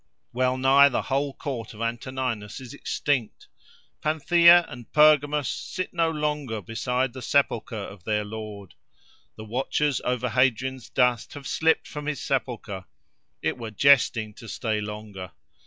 Well nigh the whole court of Antoninus is extinct. Panthea and Pergamus sit no longer beside the sepulchre of their lord. The watchers over Hadrian's dust have slipped from his sepulchre.—It were jesting to stay longer.